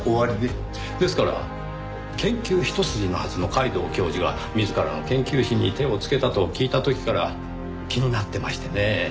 ですから研究一筋のはずの皆藤教授が自らの研究費に手をつけたと聞いた時から気になってましてねぇ。